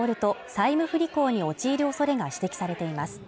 債務不履行に陥る恐れが指摘されています。